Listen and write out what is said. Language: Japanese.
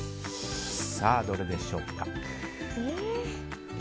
どれでしょうか。